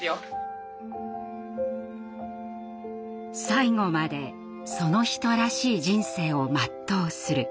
最期までその人らしい人生を全うする。